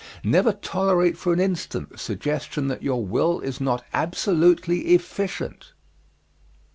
_Never tolerate for an instant the suggestion that your will is not absolutely efficient.